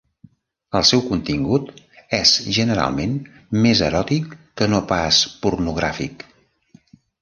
El seu contingut és generalment més eròtic que no pas pornogràfic.